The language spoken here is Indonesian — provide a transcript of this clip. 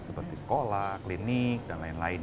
seperti sekolah klinik dan lain lain